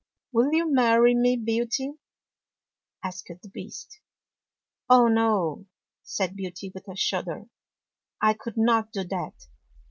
" Will you marry me, Beauty? " asked the Beast. " Oh, no," said Beauty with a shudder. " I could not do that."